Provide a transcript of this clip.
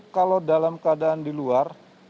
kalau dalam keadaan di luar